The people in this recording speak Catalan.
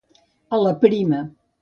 A la prima.